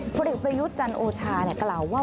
ผู้เด็กพระยุจาโนชาเนี่ยกล่าวว่า